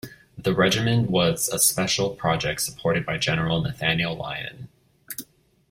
The regiment was a special project supported by General Nathaniel Lyon.